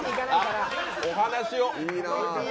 お話を。